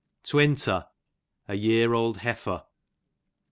Twinter, a year old hefer.